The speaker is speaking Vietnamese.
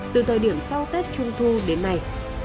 từ thời điểm sau tết trung thu đến nay